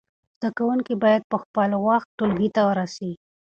زده کوونکي باید په خپل وخت ټولګي ته راسی.